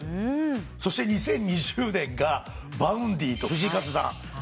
そして２０２０年がＶａｕｎｄｙと藤井風さん。